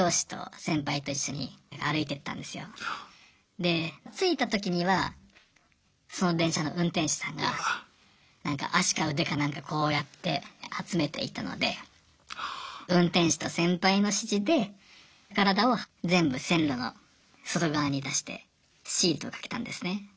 で着いた時にはその電車の運転士さんが足か腕かなんかこうやって集めていたので運転士と先輩の指示で体を全部線路の外側に出してシートを掛けたんですね。